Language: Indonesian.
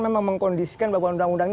memang mengkondisikan bahwa undang undang ini